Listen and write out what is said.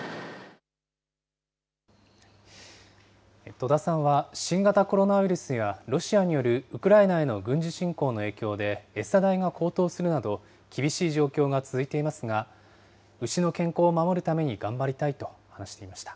戸田さんは、新型コロナウイルスや、ロシアによるウクライナへの軍事侵攻の影響で、餌代が高騰するなど、厳しい状況が続いていますが、牛の健康を守るために頑張りたいと話していました。